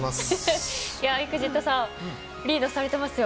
ＥＸＩＴさんリードされてますよ。